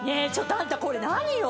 あんたこれ何よ